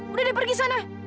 udah dia pergi sana